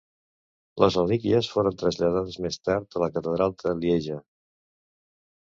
Les relíquies foren traslladades més tard a la Catedral de Lieja.